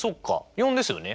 ４ですよね。